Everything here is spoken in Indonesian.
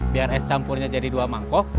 biar es campurnya jadi dua mangkok